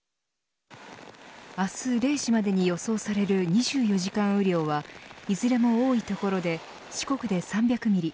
明日０時までに予想される２４時間雨量はいずれも多い所で四国で３００ミリ